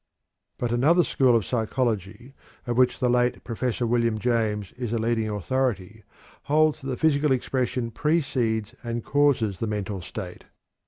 But another school of psychology, of which the late Prof. William James is a leading authority, holds that the physical expression precedes and causes the mental state.